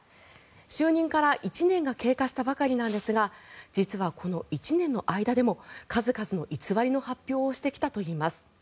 就任から１年が経過したばかりなんですが実はこの１年の間でも数々の偽りの発表をしてきたといいます。